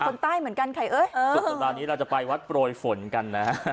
คนใต้เหมือนกันไข่เอ๋ยเออตอนนี้เราจะไปวัดปลวยฝนกันนะ